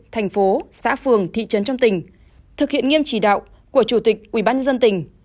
thành phố xã phường thị trấn trong tỉnh thực hiện nghiêm chỉ đạo của chủ tịch ubnd tỉnh